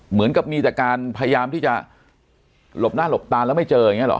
เหมือนกับมีแต่การพยายามที่จะหลบหน้าหลบตาแล้วไม่เจออย่างนี้หรอ